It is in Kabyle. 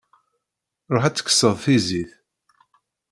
Ruḥ ad tekseḍ tizit.